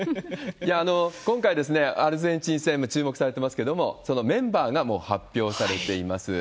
今回、アルゼンチン戦、注目されてますけれども、そのメンバーがもう発表されています。